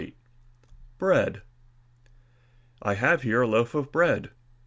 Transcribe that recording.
"_ BREAD I have here a loaf of bread.